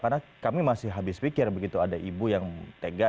karena kami masih habis pikir begitu ada ibu yang tega